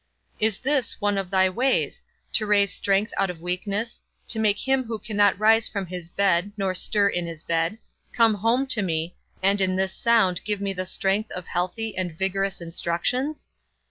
Is this one of thy ways, to raise strength out of weakness, to make him who cannot rise from his bed, nor stir in his bed, come home to me, and in this sound give me the strength of healthy and vigorous instructions?